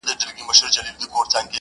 يوار ماسوم سمه له ځانه سره داسې وايم